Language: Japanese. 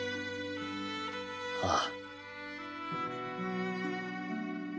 ああ。